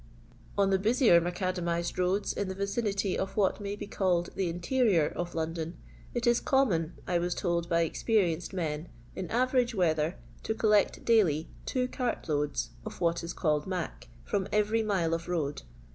On the busier macadamized roads in the vicinity of what may be called the interior of London, it ii common, I was told by experienced men, in average weather* to collect daily two cart loads of what is called mac, from every mile of road.